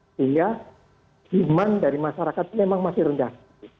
sehingga himan dari masyarakat memang masih rendah